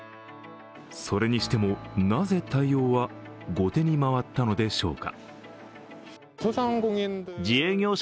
それにしても、なぜ、対応は後手に回ったのでしょうか。